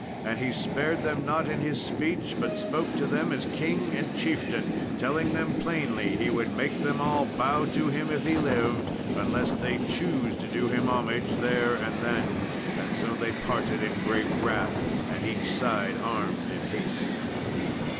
And he spared them not in his speech, but spoke to them as king and chieftain telling them plainly he would make them all bow to him if he lived, unless they choose to do him homage there and then; and so they parted in great wrath, and each side armed in haste.